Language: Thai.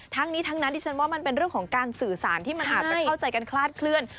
ทั้งนี้ทั้งนั้นดิฉันว่ามันเป็นเรื่องของการสื่อสารที่มันอาจจะเข้าใจกันคลาดเคลื่อน